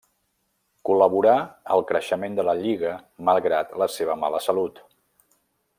Col·laborà al creixement de la Lliga malgrat la seva mala salut.